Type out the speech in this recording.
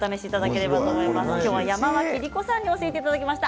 今日は山脇りこさんに教えていただきました。